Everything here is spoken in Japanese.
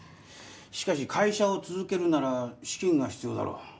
しかし会社を続けるなら資金が必要だろう